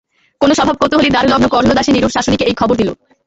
কোনো স্বভাবকৌতূহলী দ্বারলগ্নকর্ণদাসী নিরুর শাশুড়িকে এই খবর দিল।